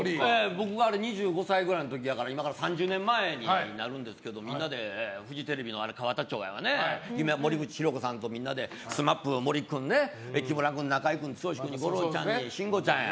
僕が２５歳ぐらいの時やから今から３０年前になるんですけどみんなでフジテレビで森口博子さんとみんなでＳＭＡＰの森君とか、剛君とか吾郎ちゃんに慎吾ちゃんや。